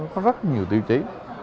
có rất nhiều tiêu chí